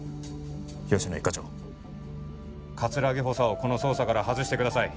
吉乃一課長葛城補佐をこの捜査から外してください